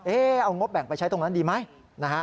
เอางบแบ่งไปใช้ตรงนั้นดีไหมนะฮะ